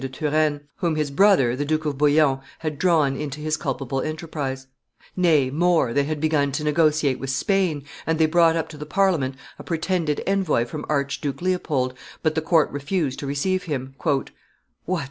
de Tnrenne, whom his brother, the Duke of Bouillon, had drawn into his culpable enterprise; nay, more, they had begun to negotiate with Spain, and they brought up to the Parliament a pretended envoy from Archduke Leopold, but the court refused to receive him. "What!